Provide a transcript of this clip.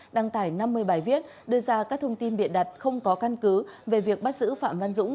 đăng tải năm mươi bài viết đưa ra các thông tin biện đặt không có căn cứ về việc bắt giữ phạm văn dũng